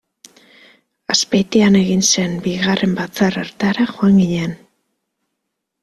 Azpeitian egin zen bigarren batzar hartara joan ginen.